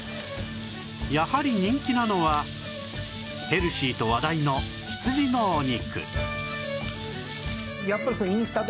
やはり人気なのはヘルシーと話題の羊のお肉